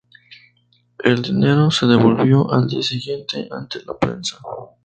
El dinero se devolvió al día siguiente ante la prensa.